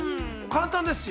簡単ですし。